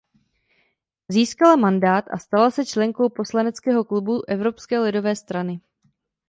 Získala mandát a stala se členkou poslaneckého klubu Evropské lidové strany.